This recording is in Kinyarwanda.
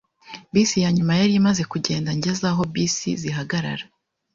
Bisi yanyuma yari imaze kugenda ngeze aho bisi zihagarara.